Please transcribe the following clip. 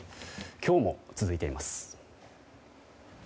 今日も続いています。